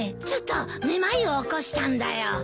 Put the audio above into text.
ちょっと目まいを起こしたんだよ。